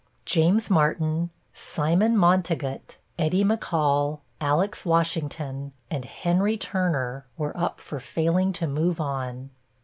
James Martin, Simon Montegut, Eddie McCall, Alex Washington and Henry Turner were up for failing to move on.